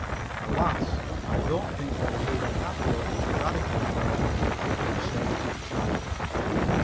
Alas! I don't think there is even that hope for the radical parent of a conservative child.